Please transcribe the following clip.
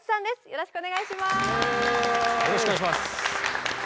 よろしくお願いします。